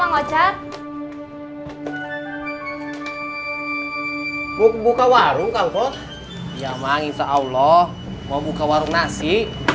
wajah buka warung kampus ya mang insyaallah mau buka warung nasi